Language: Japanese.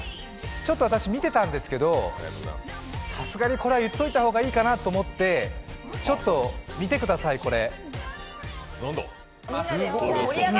ちょっと私、見てたんですけど、さすがにこれは言っておいた方がいいかなと思ってちょっと見てください、これ。